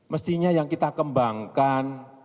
mestinya yang kita kembangkan